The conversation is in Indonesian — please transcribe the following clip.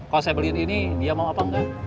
kalau saya beliin ini dia mau apa enggak